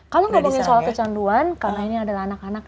kalau ngomongin soal kecanduan karena ini adalah anak anak